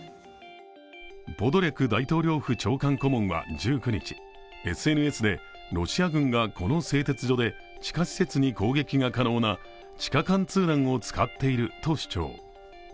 ポドリャク大統領府長官顧問は１９日、ＳＮＳでロシア軍がこの製鉄所で地下施設に攻撃が可能な地下貫通弾を使っていると主張。